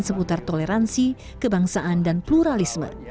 seputar toleransi kebangsaan dan pluralisme